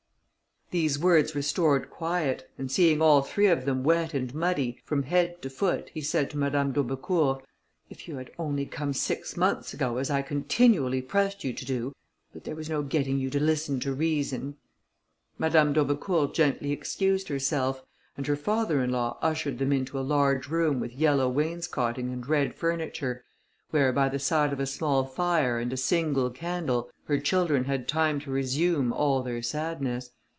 These words restored quiet; and seeing all three of them wet and muddy, from head to foot, he said to Madame d'Aubecourt, "If you had only come six months ago, as I continually pressed you to do ... but there was no getting you to listen to reason." Madame d'Aubecourt gently excused herself, and her father in law ushered them into a large room with yellow wainscoting and red furniture, where, by the side of a small fire, and a single candle, her children had time to resume all their sadness.